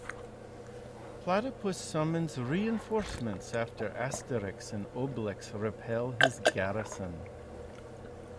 Platypus summons reinforcements after Asterix and Obelix repel his garrison.